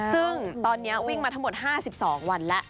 ซึ่งตอนนี้วิ่งมาทั้งหมด๕๒วันแล้ว